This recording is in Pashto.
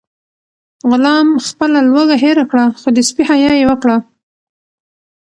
غلام خپله لوږه هېره کړه خو د سپي حیا یې وکړه.